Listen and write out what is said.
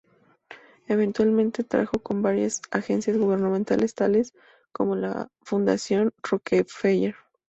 Eventualmente trabajó con varias agencias gubernamentales, tales como con la Fundación Rockefeller.